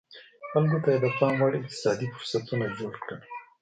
خلکو ته یې د پام وړ اقتصادي فرصتونه جوړ کړل